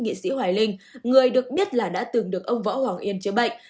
nghệ sĩ hoài linh người được biết là đã từng được ông võ hoàng yên chữa bệnh